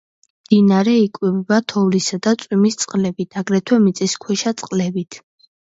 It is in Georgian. მდინარე იკვებება თოვლისა და წვიმის წყლებით, აგრეთვე მიწისქვეშა წყლებით.